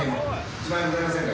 １万円ございませんか？